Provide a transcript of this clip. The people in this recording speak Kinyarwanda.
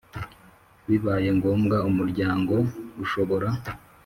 Bibaye ngombwa Umuryango ushobora